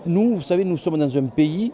ngoại giao văn hóa việt nam